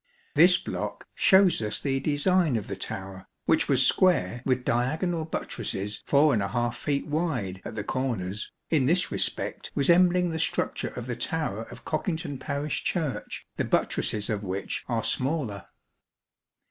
This block shows us the design of the tower, which was square with diagonal buttresses 4| feet wide at the corners, in this respect resembling the structure of the tower of Cockington Parish Church, the buttresses of which are smaller.